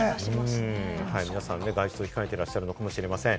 皆さん、外出を控えていらっしゃるのかもしれません。